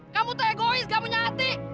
kamu tuh egois gak punya hati